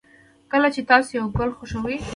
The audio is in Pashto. کله چې تاسو یو گل خوښوئ